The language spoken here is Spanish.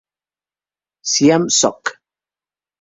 Siam Soc.